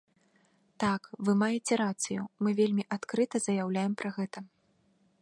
Так, вы маеце рацыю, мы вельмі адкрыта заяўляем пра гэта.